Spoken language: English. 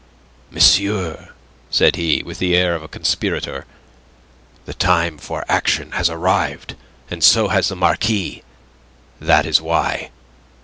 "Monsieur," said he, with the air of a conspirator, "the time for action has arrived, and so has the Marquis... That is why."